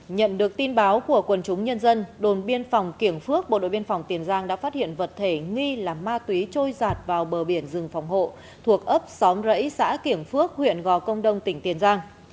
nhận được tin báo của quần chúng nhân dân đồn biên phòng kiểng phước bộ đội biên phòng tiền giang đã phát hiện vật thể nghi là ma túy trôi giạt vào bờ biển rừng phòng hộ thuộc ấp xóm rẫy xã kiểng phước huyện gò công đông tỉnh tiền giang